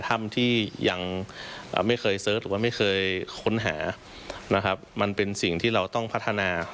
ส่วนทีวินีสรภาพมันเป็นสิ่งที่เราต้องพัฒนา